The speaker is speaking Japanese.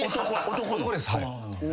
男です。